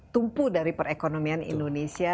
tumpu dari perekonomian indonesia